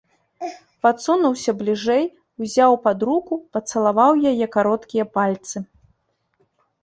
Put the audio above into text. Падсунуўся бліжэй, узяў пад руку, пацалаваў яе кароткія пальцы.